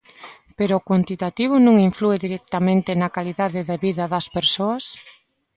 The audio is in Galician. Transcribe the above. Pero o cuantitativo non inflúe directamente na calidade de vida das persoas?